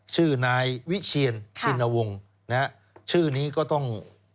ชื่อนายวิเชียนชินวงศ์นะฮะชื่อนี้ก็ต้อง